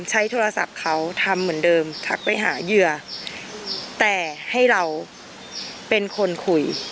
ใช้โทรศัพท์เขาทำเหมือนเดิมทักไปหาเหยื่อแต่ให้เราเป็นคนคุย